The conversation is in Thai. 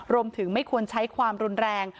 ไม่ควรใช้ความรุนแรง